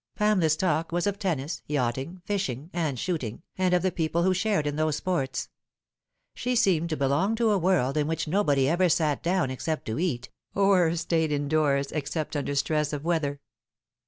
Pamela's talk was of tennis, yachting, fishing, and shooting, and of the people who shared in those sports. She seemed to belong to a world in which nobody ever sat down except to eat, or stayed indoors except under stress of weather.